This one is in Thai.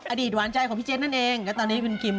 อะไรยังไง